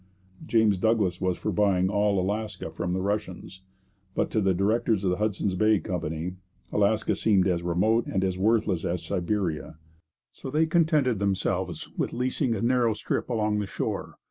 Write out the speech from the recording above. James Douglas was for buying all Alaska from the Russians; but to the directors of the Hudson's Bay Company Alaska seemed as remote and as worthless as Siberia, so they contented themselves with leasing a narrow strip along the shore.